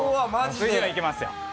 次はいけますよ。